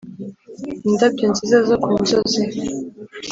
indabyo nziza zo kumusozi,